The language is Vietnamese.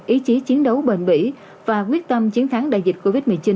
ý chí chiến đấu bền bỉ và quyết tâm chiến thắng đại dịch covid một mươi chín